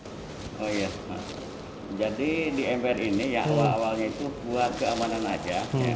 oh iya jadi di mpr ini ya awal awalnya itu buat keamanan aja